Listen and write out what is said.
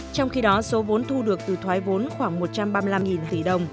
trong khi đó số vốn thu được từ thoái vốn khoảng một trăm ba mươi năm tỷ đồng